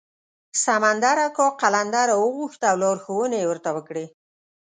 سمندر اکا قلندر راوغوښت او لارښوونې یې ورته وکړې.